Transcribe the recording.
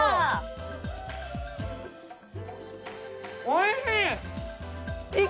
おいしい！